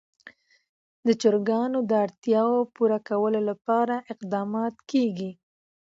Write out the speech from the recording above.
د چرګانو د اړتیاوو پوره کولو لپاره اقدامات کېږي.